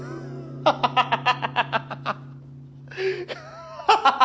ハハハハハ！